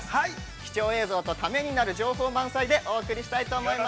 貴重映像とタメになる情報満載でお送りしたいと思います。